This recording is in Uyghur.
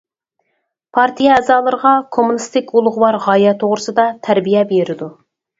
پارتىيە ئەزالىرىغا كوممۇنىستىك ئۇلۇغۋار غايە توغرىسىدا تەربىيە بېرىدۇ.